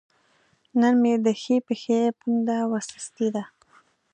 نن مې د ښۍ پښې پونده وسستې ده